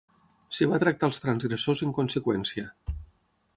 Es va tractar els transgressors en conseqüència.